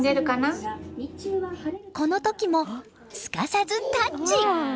この時も、すかさずタッチ！